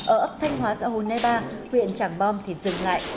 ở ấp thanh hóa xã hồ nai ba huyện trảng bom thì dừng lại